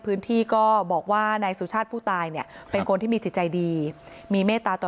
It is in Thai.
พื้นที่ก็บอกว่านายสุชาติผู้ตายเนี่ยเป็นคนที่มีจิตใจดีมีเมตตาต่อ